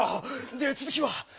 でつづきは？